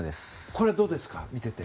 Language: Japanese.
これはどうですか。